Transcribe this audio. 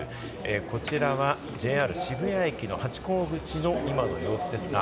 こちらはＪＲ渋谷駅のハチ公口の今の様子です。